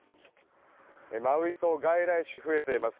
マウイ島外来種、増えています。